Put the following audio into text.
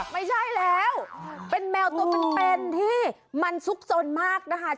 ไม่ใช่แล้วเป็นแมวตัวเป็นที่มันซุกสนมากนะคะ